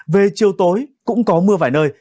về chiều tối cũng có mưa vài nơi